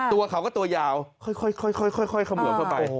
ตัวเขาก็ตัวยาวค่อยเขมือบเข้าไป